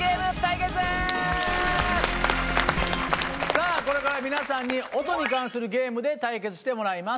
さぁこれから皆さんに音に関するゲームで対決してもらいます。